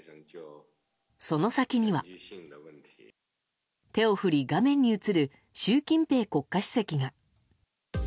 その先には、手を振り画面に映る習近平国家主席が。